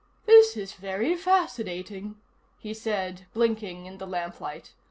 "This is very fascinating," he said, blinking in the lamplight.